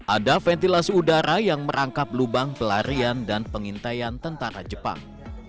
ada ventilasi udara yang merangkap lubang pelarian dan pengintaian tentara jepang